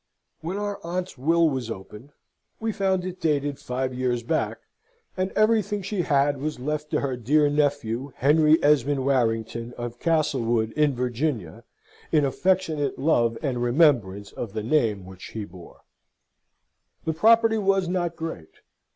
When our aunt's will was opened, we found it dated five years back, and everything she had was left to her dear nephew, Henry Esmond Warrington, of Castlewood, in Virginia, "in affectionate love and remembrance of the name which he bore." The property was not great.